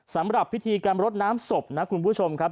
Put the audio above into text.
สำหรับพิธีการรดน้ำศพนะคุณผู้ชมครับ